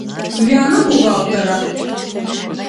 Уянэ бухгалтера?